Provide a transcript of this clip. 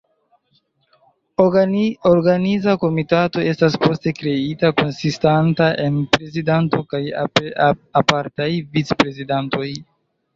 Organiza Komitato estas poste kreita, konsistanta el prezidanto kaj apartaj vic-prezidantoj.